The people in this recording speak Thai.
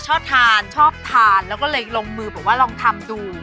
ชอบทานชอบทานแล้วก็เลยลงมือบอกว่าลองทำดู